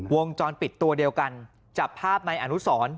วงจรปิดตัวเดียวกันจับภาพในอนุสร